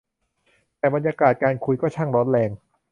แต่บรรยากาศการคุยก็ช่างร้อนแรง